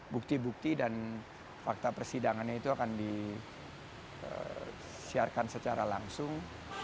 bukti bukti dan fakta persidangannya itu akan disiarkan secara langsung